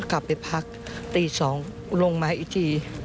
กลับไปพักตี๒ลงมาอีกที